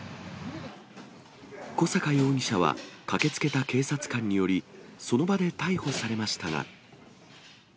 小阪容疑者は駆けつけた警察官により、その場で逮捕されましたが。